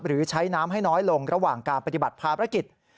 ใช้น้ำให้น้อยลงระหว่างการปฏิบัติภารกิจ